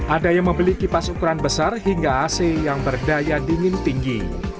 ada yang membeli kipas ukuran besar hingga ac yang berdaya dingin tinggi